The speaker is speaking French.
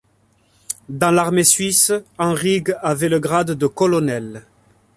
Dans l’armée suisse Anrig avait le grade de colonel.